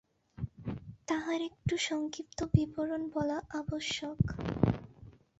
তাহার একটু সংক্ষিপ্ত বিবরণ বলা আবশ্যক।